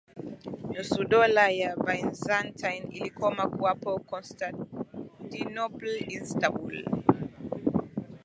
nusu Dola ya Byzantine ilikoma kuwapo Constantinople Istanbul